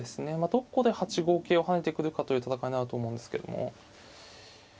どこで８五桂を跳ねてくるかという戦いになると思うんですけども。